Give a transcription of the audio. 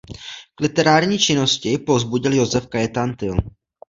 K literární činnosti jej povzbudil Josef Kajetán Tyl.